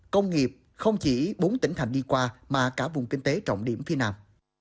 công nghiệp không chỉ bốn tỉnh thành đi qua mà cả vùng kinh tế trọng điểm phía nam